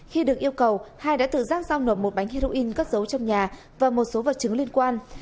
khi được yêu cầu hai đã tự giác giao nộp một bánh heroin cất giấu trong nhà và một số vật chứng liên quan